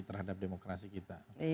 terhadap demokrasi kita